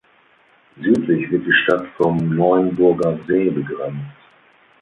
Südlich wird die Stadt vom Neuenburgersee begrenzt.